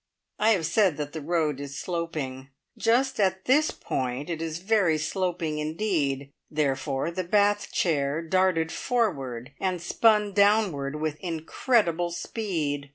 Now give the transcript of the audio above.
I have said that the road is sloping; just at this point it is very sloping indeed, therefore the bath chair darted forward, and spun downward with incredible speed.